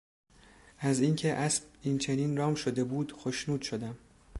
از اینکه اسب این چنین رام شده بود خوشنود شدم.